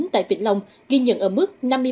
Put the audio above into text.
tại vịnh long ghi nhận ở mức